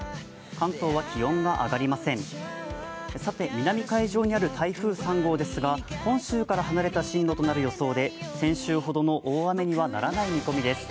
南海上にある台風３号ですが本州から離れた進路となる予想で、先週ほどの大雨にはならない見込みです。